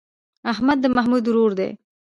احمد د محمود ورور دی.